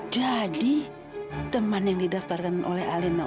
jadi teman yang didaftarkan oleh lena